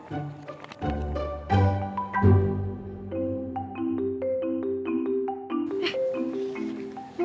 mobil pengantar susunya udah mau berangkat